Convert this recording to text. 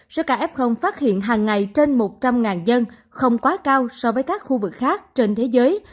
số caf phát hiện hàng ngày trên một trăm linh dân không quá cao so với các khu vực khác trên thế giới